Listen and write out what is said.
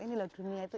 inilah dunia itu